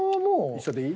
一緒でいい？